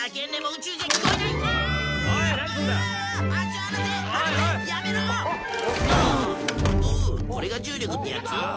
「ううこれが重力ってやつ？」